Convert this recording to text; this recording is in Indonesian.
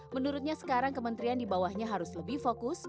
menurutnya sekarang kementerian di bawahnya harus lebih fokus